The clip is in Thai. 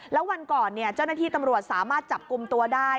แล้ววันก่อนเจ้าหน้าที่ตำรวจสามารถจับกลุ่มตัวได้